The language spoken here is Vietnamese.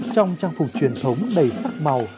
trong trang phục truyền thống đầy sắc màu